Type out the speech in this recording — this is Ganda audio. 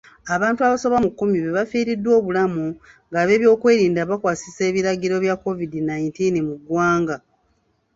Abantu abasoba mu kumi be bafiiriddwa obulamu ng'abeebyokwerinda bakwasisa ebiragiro bya COVID nineteen mu ggwanga.